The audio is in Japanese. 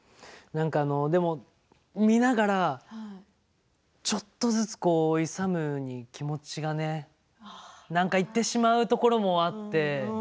でも見ながらちょっとずつ勇に気持ちがね何かいってしまうところもあって。